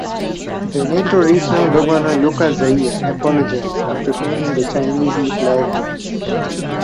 Veneto regional governor Luca Zaia apologized after claiming the Chinese eat live mice.